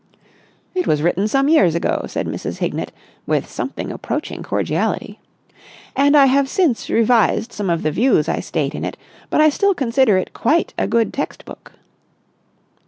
'" "It was written some years ago," said Mrs. Hignett with something approaching cordiality, "and I have since revised some of the views I state in it, but I still consider it quite a good text book."